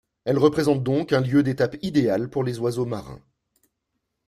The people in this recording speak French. Elle représente donc un lieu d’étape idéal pour les oiseaux marins.